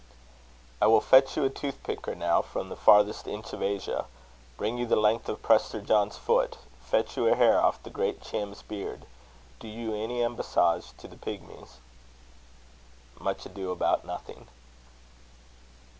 I will fetch you a tooth picker now from the farthest inch of Asia; bring you the length of Prester John's foot; fetch you a hair off the great Cham's beard; do you any embassage to the Pigmies. Much Ado about Nothing.